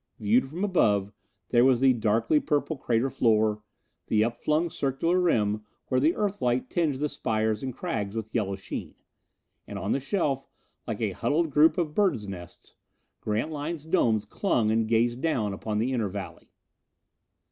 Viewed from above there was the darkly purple crater floor, the upflung circular rim where the Earth light tinged the spires and crags with yellow sheen; and on the shelf, like a huddled group of birds nests, Grantline's domes clung and gazed down upon the inner valley.